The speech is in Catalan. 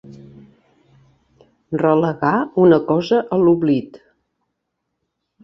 Relegar una cosa a l'oblit.